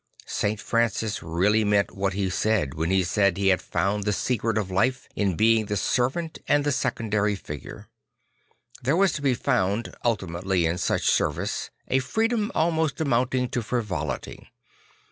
St. Francis really meant what he said when he said he had found the secret of life in being the servant and the secondary figure. There was to be found ultimately in such service a freedom almost amounting to frivolity.